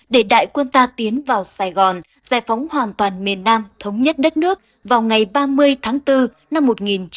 để đại quân ta tiến vào sài gòn giải phóng hoàn toàn miền nam thống nhất đất nước vào ngày ba mươi tháng bốn năm một nghìn chín trăm bảy mươi năm